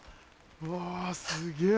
うわすげぇ！